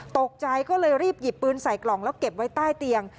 ตกใจก็เลยรีบหยิบปืนใส่กล่องแล้วเก็บไว้ใต้เตียง